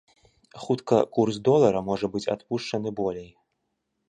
Хутка курс долара можа быць адпушчаны болей.